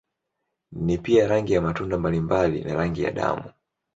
Ni pia rangi ya matunda mbalimbali na rangi ya damu.